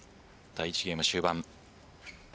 第１ゲーム終盤。